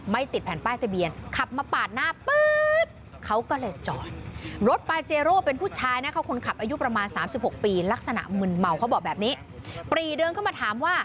ไม่ติดแผ่นป้ายทะเบียนขับมาปากหน้าเขาก็เลยจอด